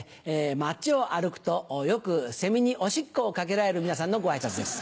街を歩くとよくセミにおしっこを掛けられる皆さんのご挨拶です。